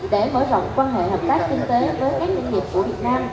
để mở rộng quan hệ hợp tác kinh tế với các doanh nghiệp của việt nam